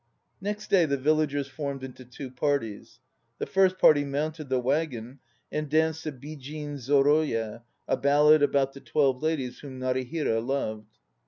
Next day the villagers formed into two parties. Th. first party mounted the waggon and danced the Bijinzoroye, a ballad about the twelve ladies whom Narihira loved.